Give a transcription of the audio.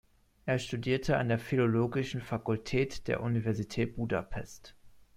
Er studierte an der Philologischen Fakultät der Universität Budapest.